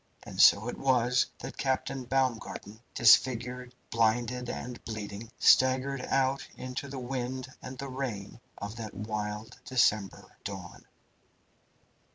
And so it was that Captain Baumgarten, disfigured, blinded, and bleeding, staggered out into the wind and the rain of that wild December dawn.